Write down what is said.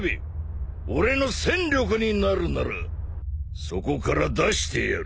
俺の戦力になるならそこから出してやる。